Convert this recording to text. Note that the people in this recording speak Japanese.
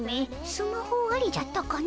スマホありじゃったかの？